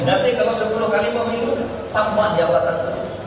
nanti kalau sepuluh kali pemenuh tambah jabatan